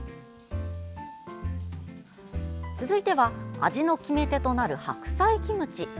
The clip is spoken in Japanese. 続いては、味の決め手となる白菜キムチ。